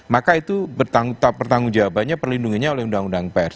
maka itu pertanggung jawabannya perlindungannya oleh undang undang pers